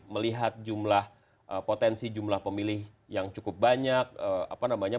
melihat potensi jumlah pemilih yang cukup banyak